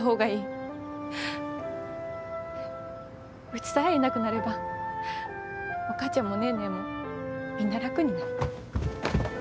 うちさえいなくなればお母ちゃんもネーネーもみんな楽になる。